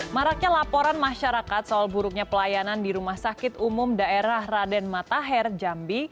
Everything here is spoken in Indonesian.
maraknya laporan masyarakat soal buruknya pelayanan di rumah sakit umum daerah raden matahir jambi